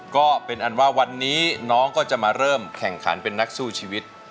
ก็เป็นอันว่าวันนี้น้องก็จะมาเริ่มแข่งขันเป็นนักสู้ชีวิต